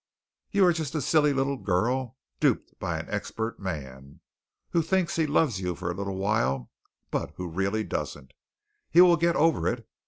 "You are just a silly little girl duped by an expert man, who thinks he loves you for a little while, but who really doesn't. He will get over it.